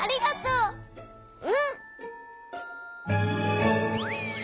うん！